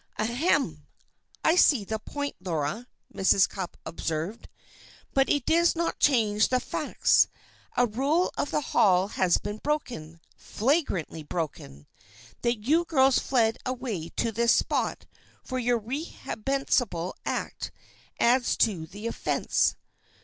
"Ahem! I see the point, Laura," Mrs. Cupp observed. "But it does not change the facts. A rule of the Hall has been broken flagrantly broken. That you girls fled away to this spot for your reprehensible act adds to the offence.